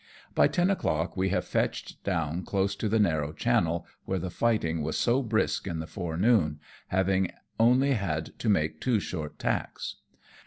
By ten o'clock we have fetched down close to the narrow channel where the fighting was so brisk in the forenoon, having only had to make two short tacks.